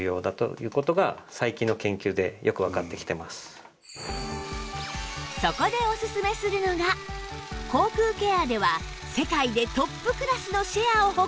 さらにそこでおすすめするのが口腔ケアでは世界でトップクラスのシェアを誇る